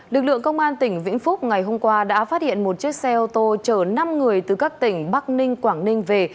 lực lượng công an tỉnh vĩnh phúc ngày hôm qua đã phát hiện một chiếc xe ô tô chở năm người từ các tỉnh bắc ninh quảng ninh về